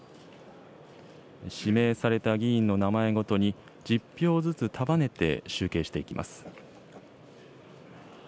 指名された議員の名前ごとに、１０票ずつ束ねて集計していきます。